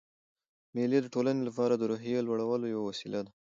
مېلې د ټولنې له پاره د روحیې لوړولو یوه وسیله ده.